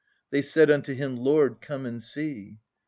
They said unto Him, Lord, come and see.